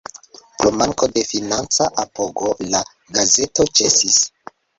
Pro manko de financa apogo la gazeto ĉesis.